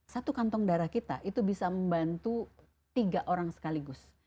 satu kantong darah kita itu bisa membantu tiga orang sekaligus